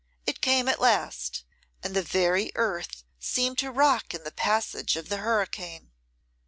It came at last; and the very earth seemed to rock in the passage of the hurricane.